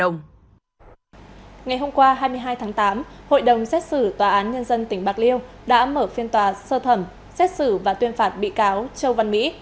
ngày hôm qua hai mươi hai tháng tám hội đồng xét xử tòa án nhân dân tỉnh bạc liêu đã mở phiên tòa sơ thẩm xét xử và tuyên phạt bị cáo châu văn mỹ